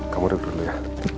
kamu duduk dulu ya